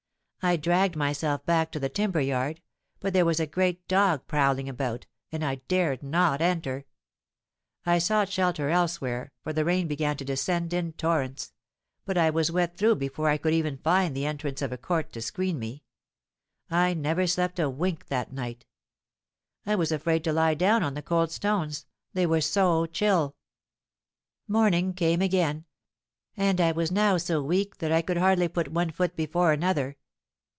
I dragged myself back to the timber yard; but there was a great dog prowling about—and I dared not enter. I sought shelter elsewhere, for the rain began to descend in torrents; but I was wet through before I could even find the entrance of a court to screen me. I never slept a wink that night: I was afraid to lie down on the cold stones—they were so chill. Morning came again—and I was now so weak that I could hardly put one foot before another.